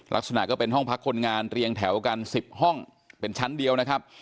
ลักษณะก็เป็นห้องพักคนงานเรียงแถวกัน๑๐ห้องเป็นชั้นเดียวนะครับ